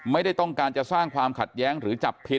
ไม่ได้ต้องการจะสร้างความขัดแย้งหรือจับผิด